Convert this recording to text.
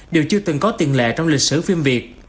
đều chưa từng có tiền lệ trong lịch sử phim việt